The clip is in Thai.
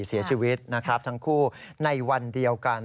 เสียชีวิตนะครับทั้งคู่ในวันเดียวกัน